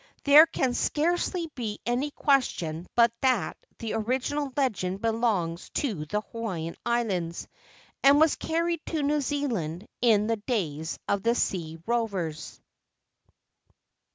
There can scarcely be any question but that the original legend belongs to the Hawaiian Islands, and was carried to New Zealand in the days of the sea rovers.